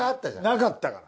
なかったから。